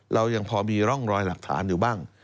เรายังพอมีร่องรอยหลักฐานอยู่บ้าง